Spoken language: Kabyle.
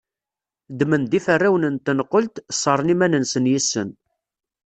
Ddmen-d iferrawen n tenqelt, ssṛen iman-nsen yes-sen.